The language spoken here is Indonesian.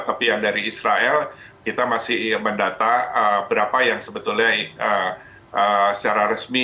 tapi yang dari israel kita masih mendata berapa yang sebetulnya secara resmi